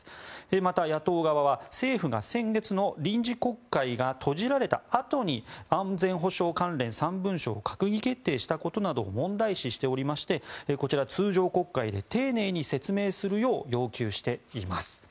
また、野党側は政府が、先月の臨時国会が閉じられたあとに安全保障関連３文書を閣議決定したことなどを問題視しておりましてこちら、通常国会で丁寧に説明するよう要求しています。